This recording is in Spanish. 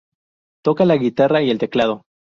Toca la guitarra y el teclado.